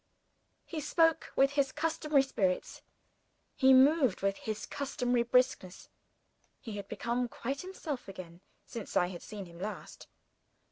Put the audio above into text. He spoke with his customary spirit; he moved with his customary briskness he had become quite himself again, since I had seen him last.